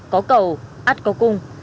có cầu át có cung